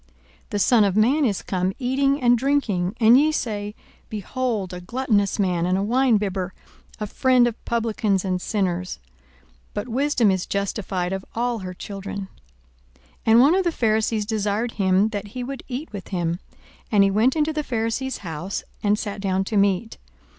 42:007:034 The Son of man is come eating and drinking; and ye say, Behold a gluttonous man, and a winebibber, a friend of publicans and sinners! 42:007:035 But wisdom is justified of all her children. 42:007:036 And one of the Pharisees desired him that he would eat with him. And he went into the Pharisee's house, and sat down to meat.